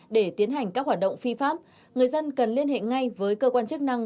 để tiến hành các hoạt động phi pháp người dân cần liên hệ ngay với cơ quan chức năng